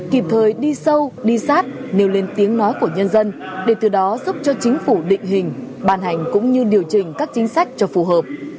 kịp thời đi sâu đi sát nêu lên tiếng nói của nhân dân để từ đó giúp cho chính phủ định hình bàn hành cũng như điều chỉnh các chính sách cho phù hợp